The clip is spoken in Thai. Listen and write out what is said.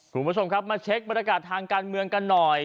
คุณผู้ชมครับมาเช็คบรรยากาศทางการเมืองกันหน่อย